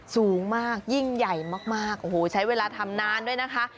สูงมากยิ่งใหญ่มากโอ้โหใช้เวลาทำนานด้วยนะคะ